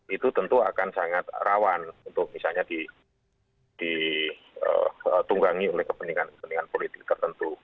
itu tentu akan sangat rawan untuk misalnya ditunggangi oleh kepentingan kepentingan politik tertentu